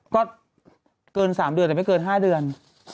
ก็เกิน๓เดือนแต่ไม่เกิน๕เดือน